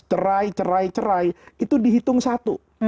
cerai cerai cerai itu dihitung satu